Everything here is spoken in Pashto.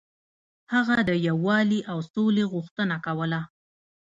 هغه د یووالي او سولې غوښتنه کوله.